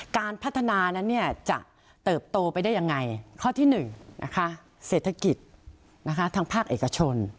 การพัฒนานั้นเนี่ยจะเติบโตไปได้ยังไงข้อที่๑นะคะเศรษฐกิจทางภาคเอกชน